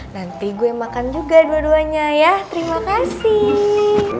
nanti gue makan juga dua duanya ya terima kasih